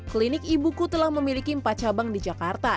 klinik ibuku telah memiliki empat cabang di jakarta